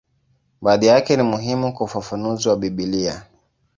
Baadhi yake ni muhimu kwa ufafanuzi wa Biblia.